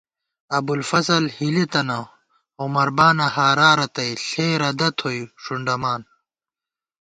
ابُوالفضل ہِلی تَنہ عمربا نہ ہارا رتئ ݪے ردہ تھوئی ݭُنڈَمان